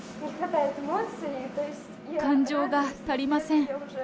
感情が足りません。